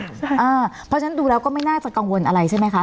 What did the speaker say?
เพราะฉะนั้นดูแล้วก็ไม่น่าจะกังวลอะไรใช่ไหมคะ